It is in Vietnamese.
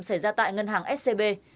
xảy ra tại ngân hàng scb